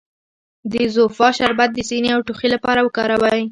د زوفا شربت د سینې او ټوخي لپاره وکاروئ